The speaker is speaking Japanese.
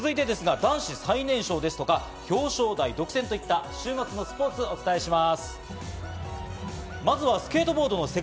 男子最年少ですとか、表彰台独占といった、週末のスポーツをお伝えします。